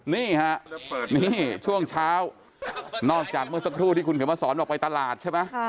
นี่ฮะนี่ช่วงเช้านอกจากเมื่อสักครู่ที่คุณเขียนมาสอนบอกไปตลาดใช่ไหม